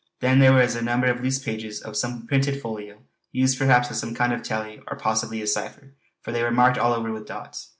Then there were a number of loose pages of some printed folio, used perhaps as some kind of tally or possibly a cipher, for they were marked all over with dots.